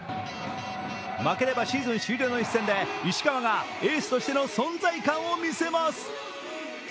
負ければシーズン終了の１戦で石川がエースとしての存在感を見せます！